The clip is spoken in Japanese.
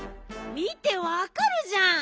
見てわかるじゃん。